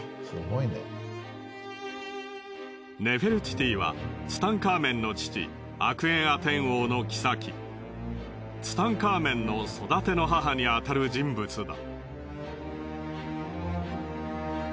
ネフェルティティはツタンカーメンの父アクエンアテン王の妃ツタンカーメンの育ての母にあたる人物だ。